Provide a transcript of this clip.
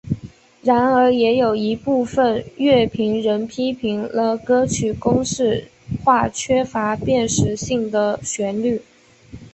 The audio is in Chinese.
然而也有一部分乐评人批评了歌曲公式化缺乏辨识性的旋律。